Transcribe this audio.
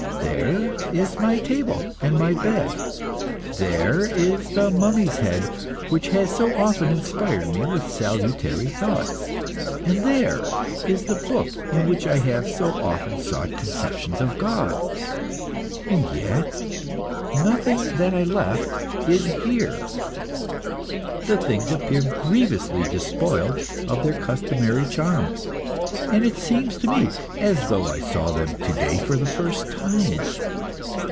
There is my table and my bed. There is the mummy's head which has so often inspired me with salutary thoughts; and there is the book in which I have so often sought conceptions of God. And yet nothing that I left is here. The things appear grievously despoiled of their customary charm, and it seems to me as though I saw them to day for the first time.